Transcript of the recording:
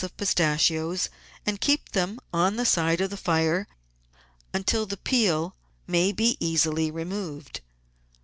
of pistachios, and keep them on the side of the fire until the peel may be easily removed.